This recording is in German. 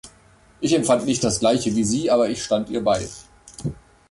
Ich empfand nicht das Gleiche wie sie, aber ich stand ihr bei.